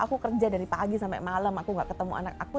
aku kerja dari pagi sampai malam aku gak ketemu anak aku